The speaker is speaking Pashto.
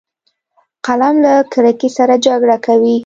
قلم له کرکې سره جګړه کوي